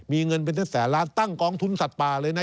มีเงินเป็นแสนล้านตั้งกองทุนสัตว์ป่าเลยนะ